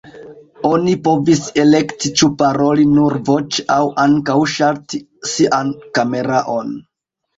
Oni povis elekti ĉu paroli nur voĉe aŭ ankaŭ ŝalti sian kameraon.